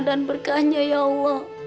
dan berkahnya ya allah